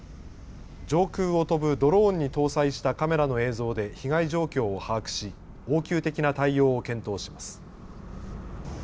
上空を飛ぶドローンに搭載したカメラの映像で被害状況を把握し応急的な対応を検討します。